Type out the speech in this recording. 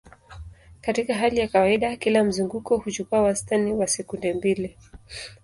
Katika hali ya kawaida, kila mzunguko huchukua wastani wa sekunde mbili.